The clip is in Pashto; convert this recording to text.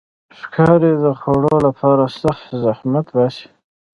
ښکاري د خوړو لپاره سخت زحمت باسي.